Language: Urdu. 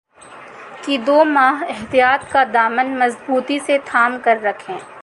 کہ دو ماہ احتیاط کا دامن مضبوطی سے تھام کررکھیں